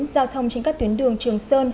giao thông trên các tuyến đường trường sơn